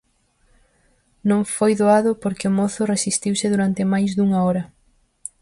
Non foi doado porque o mozo resistiuse durante máis dunha hora.